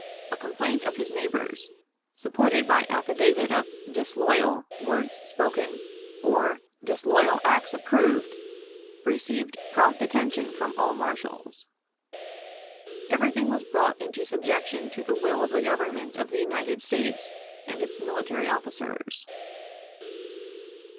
A complaint of his neighbors, supported by affidavit of "disloyal" words spoken or "disloyal" acts approved, received prompt attention from all marshals. Everything was brought into subjection to the will of the Government of the United States and its military officers.